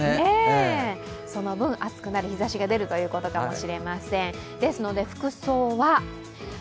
その分暑くなり日ざしが出るということかもしれません。